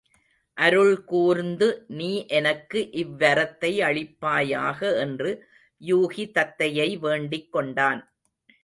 அருள்கூர்ந்து நீ எனக்கு இவ் வரத்தை அளிப்பாயாக என்று யூகி தத்தையை வேண்டிக் கொண்டான்.